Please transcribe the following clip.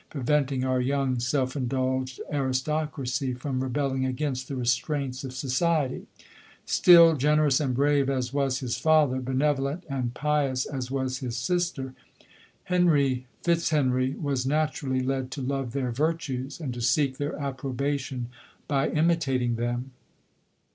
preventing our young self indulged aristocracy from rebelling against the restraints of sociel \ Still generous and brave as was his father, be nevolent and pious as was his sister, Henry VOL. I. 1 74 lodori:. Fitzhenry was naturally led to love their virtues, and to seek their approbation by imi tating them.